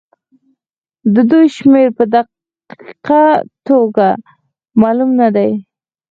د دوی شمېر په دقيقه توګه معلوم نه دی.